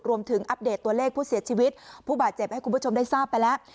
อัปเดตตัวเลขผู้เสียชีวิตผู้บาดเจ็บให้คุณผู้ชมได้ทราบไปแล้ว